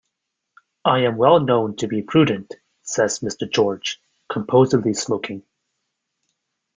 "I am well known to be prudent," says Mr. George, composedly smoking.